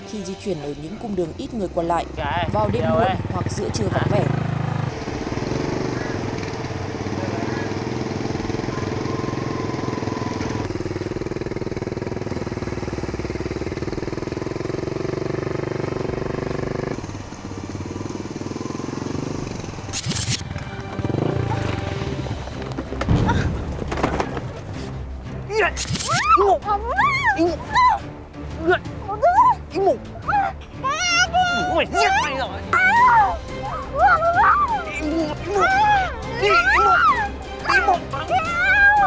khi di chuyển ở những cung đường ít người quần lại vào đêm muộn hoặc giữa trưa vắng vẻ